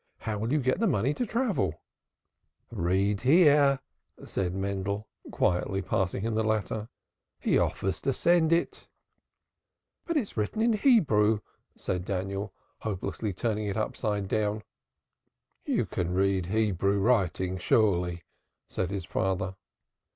"How will you get the money to travel with?" "Read here!" said Mendel, quietly passing him the letter. "He offers to send it." "But it's written in Hebrew!" cried Daniel, turning it upside down hopelessly. "You can read Hebrew writing surely," said his father.